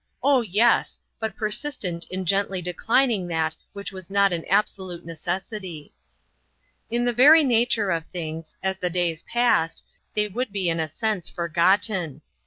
oh, yes, but persistent in gently declining that which was not an absolute necessity. In the very nature of things, as the days passed, they would be in a sense forgotten.